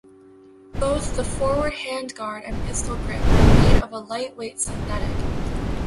Both the forward handguard and pistol grip are made of a lightweight synthetic.